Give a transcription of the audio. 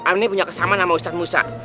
aneh punya kesamaan sama ustadz musa